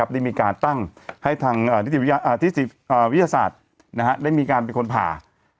ได้มีการตั้งให้ทางวิทยาศาสตร์ได้มีการเป็นคนผ่า